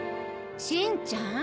しんちゃん？